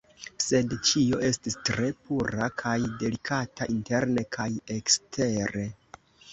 Sed ĉio estis tre pura kaj delikata interne kaj ekstere.